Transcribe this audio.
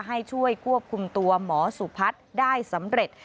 ให้ช่วยควบคุมตัวหมอสุพัฒน์ได้สำเร็จ